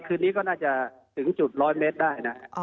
คืนนี้ก็น่าจะถึงจุด๑๐๐เมตรได้นะฮะ